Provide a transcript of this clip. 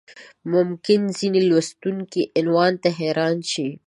ممکن ځینې لوستونکي عنوان ته حیران شي.